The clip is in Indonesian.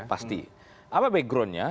pasti apa backgroundnya